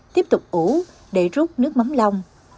tiếp tục ủ để rút nước mắm long